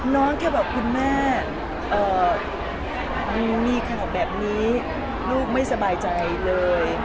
น้องแค่เป็นคุณแม่คุณมีแค่แบบนี้ลูกไม่สบายใจเลย